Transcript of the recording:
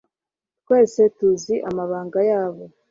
Twese tuzi amabanga yabo